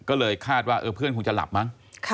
ก็เลยคาดว่าเพื่อนคงจะหลับมั้ง